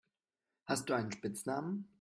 Hast du einen Spitznamen?